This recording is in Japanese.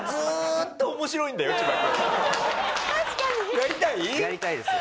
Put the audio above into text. やりたいです。